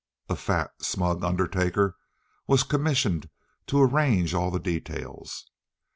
A fat, smug undertaker was commissioned to arrange all the details.